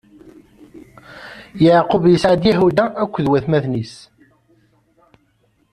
Yeɛqub isɛa-d Yahuda akked watmaten-is.